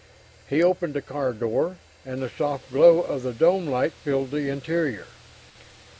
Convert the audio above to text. He opened the car door, and the soft glow of the dome light filled the interior.